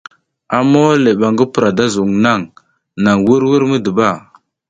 A mole ba ngi pura da zung nang nang vur vur midiba.